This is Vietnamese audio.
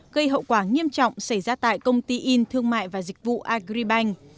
gây hậu quả nghiêm trọng xảy ra tại công ty in thương mại và dịch vụ agribank